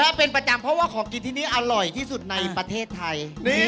เป็นประจำเพราะว่าของกินที่นี่อร่อยที่สุดในประเทศไทย